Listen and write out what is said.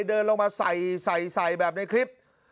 เดินลงมาใส่แบบในคลิป